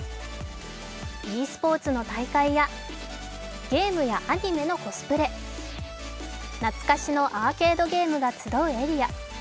ｅスポーツの大会やゲームやアニメのコスプレ、懐かしのアーケードゲームが集うエリア。